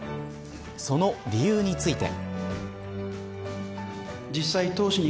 その理由について。